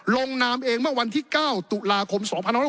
ลงนามเองเมื่อวันที่๙ตุลาคม๒๖๖